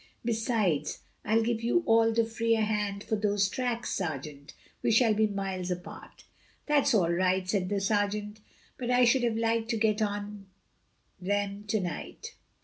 Besides, it'll give you all the freer hand for those tracks, sergeant: we shall be miles apart." "That's all right," said the sergeant. "But I should have liked to get on them to night."